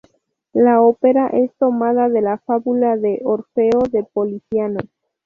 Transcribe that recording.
La ópera es tomada de la "Fábula de Orfeo" de Poliziano.